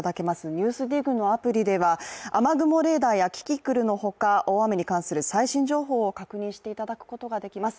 「ＮＥＷＳＤＩＧ」のアプリでは雨雲レーダーやキキクルのほか大雨に関する最新情報を確認していただくことができます。